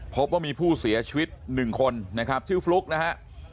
พบว่ามีผู้เสียชีวิต๑คนนะครับชื่อฟลุ๊กนะฮะ